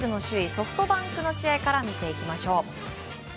ソフトバンクの試合から見ていきましょう。